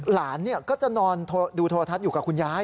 หลานก็จะนอนดูโทรทัศน์อยู่กับคุณยาย